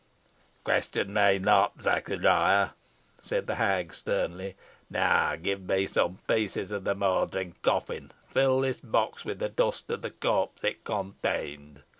"Question me not, Zachariah," said the hag, sternly; "now give me some pieces of the mouldering coffin, and fill this box with the dust of the corpse it contained."